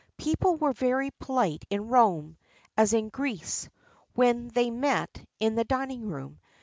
People were very polite in Rome, as in Greece, when they met in the dining room.